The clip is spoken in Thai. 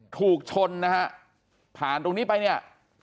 ถูกชนนะฮะผ่านตรงนี้ไปเนี่ย